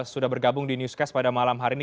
sudah bergabung di newscast pada malam hari ini